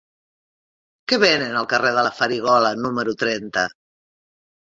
Què venen al carrer de la Farigola número trenta?